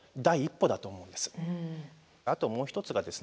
あともう一つがですね